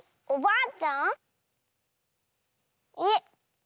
おばあちゃん？